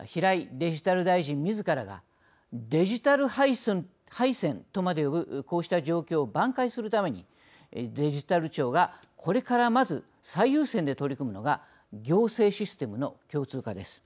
デジタル大臣みずからがデジタル敗戦とまで呼ぶこうした状況を挽回するためにデジタル庁がこれからまず最優先で取り組むのが行政システムの共通化です。